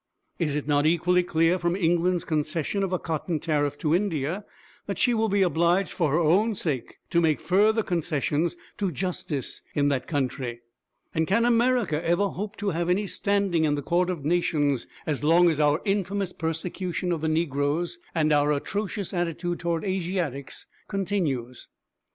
Is it not equally clear from England's concession of a cotton tariff to India that she will be obliged for her own sake to make further concessions to justice in that country? And can America ever hope to have any standing in the court of nations as long as our infamous persecution of the negroes and our atrocious attitude towards Asiatics continues?